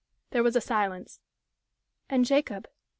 There was a silence. "And Jacob?"